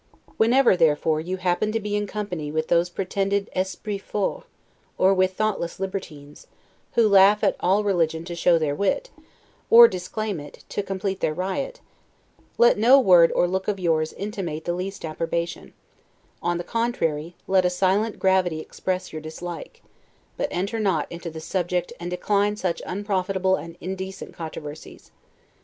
Whenever, therefore, you happen to be in company with those pretended 'Esprits forts', or with thoughtless libertines, who laugh at all religion to show their wit, or disclaim it, to complete their riot, let no word or look of yours intimate the least approbation; on the contrary, let a silent gravity express your dislike: but enter not into the subject and decline such unprofitable and indecent controversies.